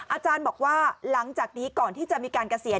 อาจารย์บอกว่าหลังจากนี้ก่อนที่จะมีการเกษียณ